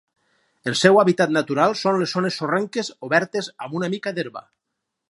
El seu hàbitat natural són les zones sorrenques obertes amb una mica d'herba.